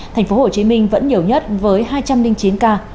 tp hcm vẫn nhiều nhất với hai trăm linh chín ca